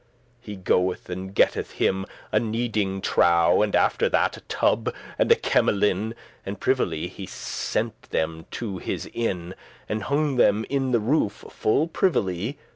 * *groan He go'th, and getteth him a kneading trough, And after that a tub, and a kemelin, And privily he sent them to his inn: And hung them in the roof full privily.